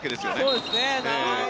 そうですね。